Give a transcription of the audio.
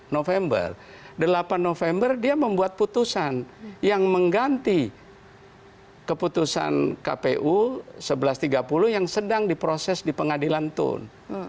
november delapan november dia membuat putusan yang mengganti keputusan kpu seribu sembilan ratus tiga puluh yang sedang diproses di pengadilan tun